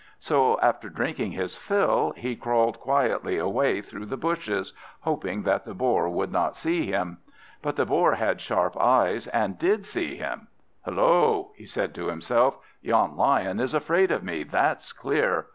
So, after drinking his fill, he crawled quietly away through the bushes, hoping that the Boar could not see him. But the Boar had sharp eyes, and did see him. "Hullo!" said he to himself, "yon Lion is afraid of me, that's clear!